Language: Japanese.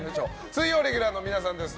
水曜レギュラーの皆さんです。